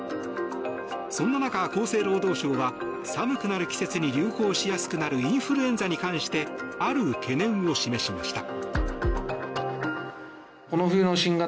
そんな中、厚生労働省は寒くなる季節に流行しやすくなるインフルエンザに関してある懸念を示しました。